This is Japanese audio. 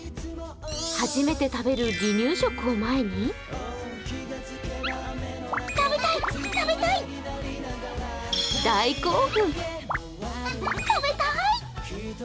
初めて食べる離乳食を前に大興奮。